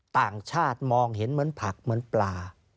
ต่างชาติมองเห็นเหมือนผักเหมือนปลา